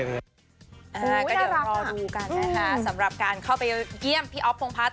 ใช่ก็เดี๋ยวรอดูกันนะคะสำหรับการเข้าไปเยี่ยมพี่อ๊อฟพงพัฒน